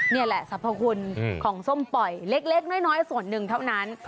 นี่แหละสรรพคุณของส้มปล่อยเล็กน้อยส่วนหนึ่งเท่านั้น